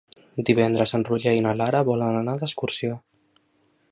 Divendres en Roger i na Lara volen anar d'excursió.